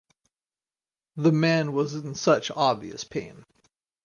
The man was in such obvious pain.